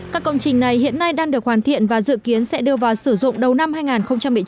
các công trình này hiện nay đang được hoàn thiện và dự kiến sẽ đưa vào sử dụng đầu năm hai nghìn một mươi chín